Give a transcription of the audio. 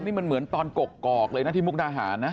นี่มันเหมือนตอนกกอกเลยนะที่มุกดาหารนะ